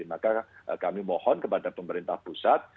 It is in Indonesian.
maka kami mohon kepada pemerintah pusat